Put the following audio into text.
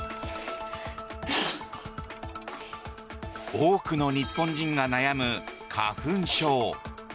多くの日本人が悩む花粉症。